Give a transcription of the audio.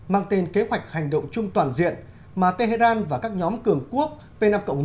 mang tên kế hoạch hành động chung toàn diện mà tehran và các nhóm cường quốc p năm một